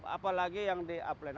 apalagi yang di upland